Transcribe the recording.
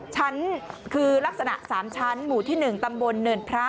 ชั้นคือลักษณะ๓ชั้นหมู่ที่๑ตำบลเนินพระ